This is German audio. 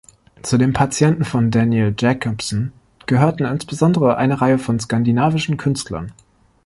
Zu den Patienten von Daniel Jacobson gehörten insbesondere eine Reihe von skandinavischen Künstlern.